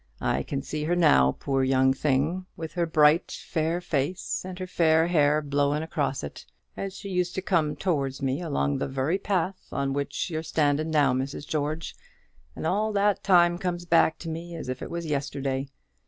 I can see her now, poor young thing, with her bright fair face, and her fair hair blowing across it, as she used to come towards me along the very pathway on which you're standing now, Mrs. George; and all that time comes back to me as if it was yesterday.